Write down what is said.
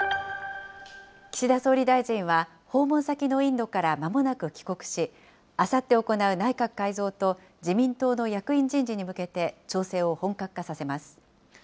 岸田総理大臣は、訪問先のインドからまもなく帰国し、あさって行う内閣改造と、自民党の役員人事に向けて、調整を本格化させます。